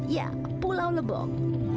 ya pulau lebong